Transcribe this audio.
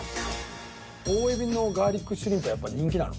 大海老のガ―リックシュリンプはやっぱ人気なの？